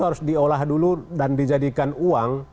harus diolah dulu dan dijadikan uang